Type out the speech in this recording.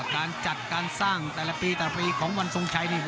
การจัดการสร้างแต่ละปีแต่ละปีของวันทรงชัยนี่